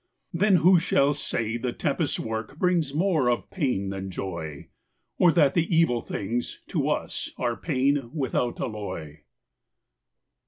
Then who shall say the tempest's work Brings more of pain than joy; Or that the evil things, to us Are pain, without alloy?